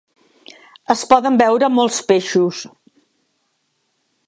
Es poden veure molts peixos.